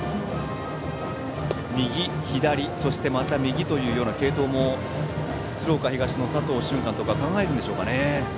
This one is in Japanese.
右、左、そしてまた右という継投も鶴岡東の佐藤俊監督は考えるんでしょうかね。